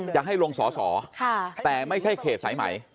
จะให้ลงสอสอแต่ไม่ใช่เขตสายไหม